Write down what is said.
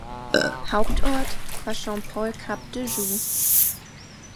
Hauptort war Saint-Paul-Cap-de-Joux.